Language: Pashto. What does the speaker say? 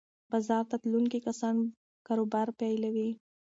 بازار ته تلونکي کسان کاروبار پیلوي.